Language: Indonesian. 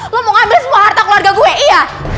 lo mau ngambil semua harta keluarga gue iya